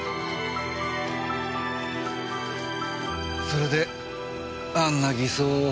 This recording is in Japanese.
それであんな偽装を。